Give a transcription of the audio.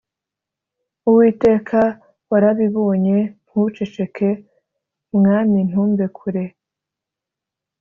Uwiteka, warabibonye ntuceceke, mwami ntumbe kure